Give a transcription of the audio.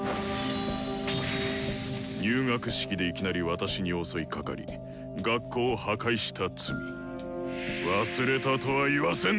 入学式でいきなり私に襲いかかり学校を破壊した罪忘れたとは言わせんぞ！